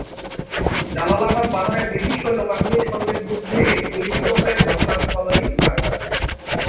জালালাবাদ পাহাড়ে ব্রিটিশ সৈন্যবাহিনীর সংগে যুদ্ধে গুলিবিদ্ধ হয়ে ঘটনাস্থলেই মারা যান।